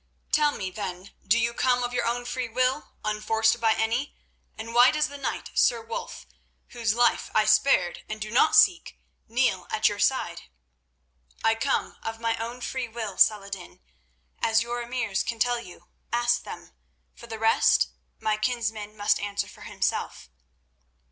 "Tell me, then, do you come of your own free will, unforced by any, and why does the knight Sir Wulf, whose life I spared and do not seek, kneel at your side?" "I come of my own free will, Salah ed din, as your emirs can tell you; ask them. For the rest, my kinsman must answer for himself."